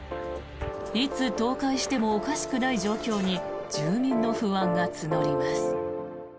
いつ倒壊してもおかしくない状況に住民の不安が募ります。